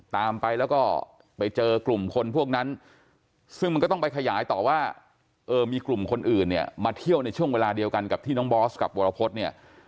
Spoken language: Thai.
ตามไปแล้วก็ไปเจอกลุ่มคนพวกนั้นซึ่งมันก็ต้องไปขยายต่อว่าเออมีกลุ่มคนอื่นเนี่ยมาเที่ยวในช่วงเวลาเดียวกันกับที่น้องบอสกับวรพฤษเนี่ย